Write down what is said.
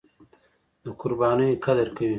د قربانیو قدر کوي.